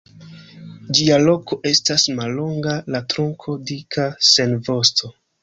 Ĝia kolo estas mallonga, la trunko dika sen vosto.